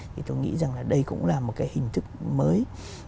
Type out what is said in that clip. thì tôi nghĩ rằng là đây cũng là một cái hình thức mới